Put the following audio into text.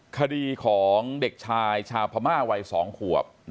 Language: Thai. คดีของเด็กชายชาวพม่าวัย๒ขวบ